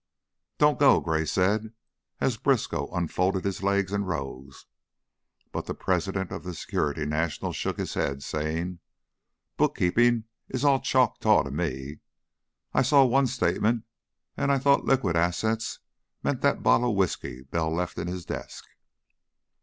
"Don't go," Gray said, as Briskow unfolded his legs and rose. But the president of the Security National shook his head, saying: "Bookkeepin' is all Choctaw to me. I saw one statement an' I thought 'liquid assets' meant that bottle of whisky Bell left in his desk."